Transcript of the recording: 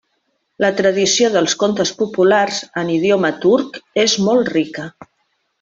La tradició dels contes populars en idioma turc és molt rica.